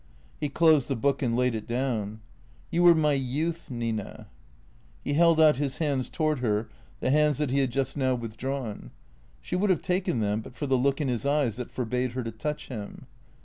He closed the book and laid it down. " You were my youth, Nina." He held out his hands toward her, the hands that he had just now withdrawn. She would have taken them, but for the look in his eyes that forbade her to touch him.